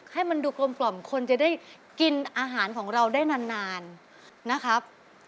ให้มันดูกลมคนจะได้กินอาหารของเราได้นานนะครับ